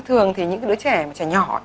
thường thì những đứa trẻ trẻ nhỏ